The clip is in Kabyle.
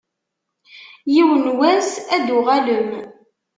Yiwen n wass ad d-tuɣalem.